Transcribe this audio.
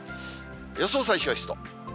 予想最小湿度。